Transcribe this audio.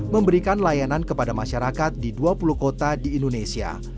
memberikan layanan kepada masyarakat di dua puluh kota di indonesia